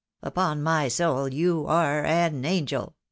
" Upon my soul, you are an angel